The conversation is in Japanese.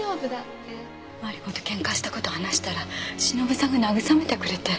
マリコとケンカした事話したら忍さんが慰めてくれて。